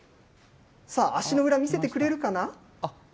さあ、足の裏見せてくれるかな？